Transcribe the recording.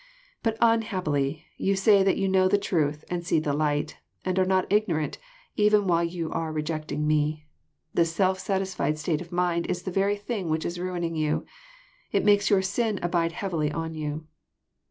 But, unhappily, you say that you know the truth, and see the light, and are not ignorant, even while you are rejecting Me. This self satisfled state of mind Is the very thing which is ruining you. It makes your sin abide heavily on you."